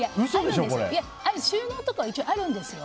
収納とかは一応あるんですよ。